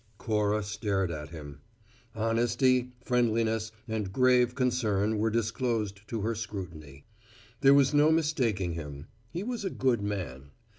Cora stared at him. Honesty, friendliness, and grave concern were disclosed to her scrutiny. There was no mistaking him: he was a good man.